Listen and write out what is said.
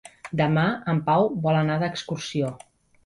Demà en Pau vol anar d'excursió.